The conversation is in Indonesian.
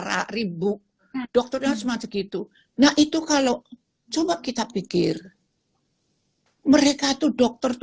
ribu dokternya semacam gitu nah itu kalau coba kita pikir mereka tuh dokter